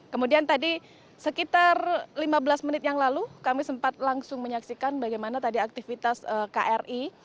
kemudian tadi sekitar lima belas menit yang lalu kami sempat langsung menyaksikan bagaimana tadi aktivitas kri